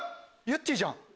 ゆってぃじゃん